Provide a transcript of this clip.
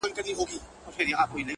دغه ياغي خـلـگـو بــه منـلاى نـــه;